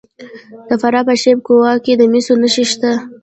د فراه په شیب کوه کې د مسو نښې شته.